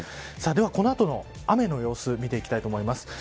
では、この後の雨の様子を見ていきたいと思います。